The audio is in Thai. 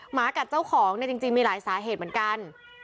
หมากัดเจ้าของเนี่ยจริงมีหลายสาเหตุเหมือนกัน